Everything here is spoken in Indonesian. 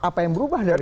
apa yang berubah dari